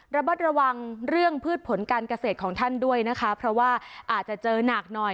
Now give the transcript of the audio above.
ระมัดระวังเรื่องพืชผลการเกษตรของท่านด้วยนะคะเพราะว่าอาจจะเจอหนักหน่อย